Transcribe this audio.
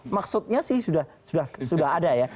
maksudnya sih sudah ada ya